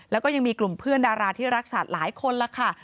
แล้วก็ยังมีกลุ่มเพื่อนดาราที่รักสัตว์หลายคนล่ะค่ะ